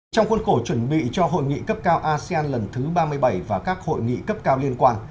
trong khuôn khổ chuẩn bị cho hội nghị cấp cao asean lần thứ ba mươi bảy và các hội nghị cấp cao liên quan